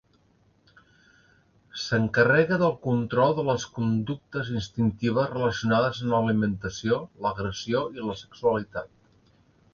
S'encarrega del control de les conductes instintives relacionades amb l'alimentació, l'agressió i la sexualitat.